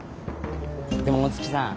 でも大月さん